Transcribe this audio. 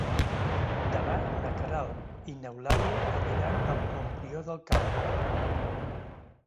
Demà na Queralt i n'Eulàlia aniran a Montbrió del Camp.